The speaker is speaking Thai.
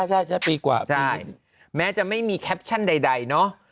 ใช่ปีกว่าปีแม้จะไม่มีแคปชั่นใดเนาะ